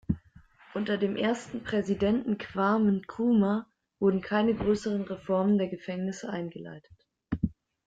Unter dem ersten Präsidenten Kwame Nkrumah wurden keine größeren Reformen der Gefängnisse eingeleitet.